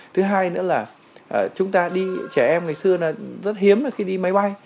thứ hai trẻ em ngày xưa rất hiếm khi đi máy bay